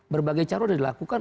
berbagai cara sudah dilakukan